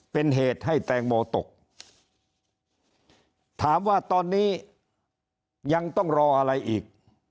เป็นเหตุให้แตงโมตกถามว่าตอนนี้ยังต้องรออะไรอีก